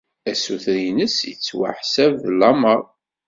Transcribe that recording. Assuter-nnes yettwaḥseb d lameṛ.